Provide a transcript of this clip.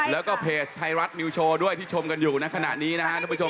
แล้วก็เพจไทยรัฐนิวโชว์ด้วยที่ชมกันอยู่ในขณะนี้นะครับทุกผู้ชม